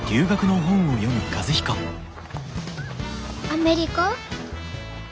「アメリカ」？